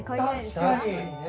確かにね。